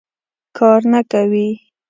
کار نه کوي.